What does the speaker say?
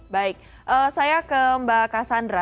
baik saya ke mbak cassandra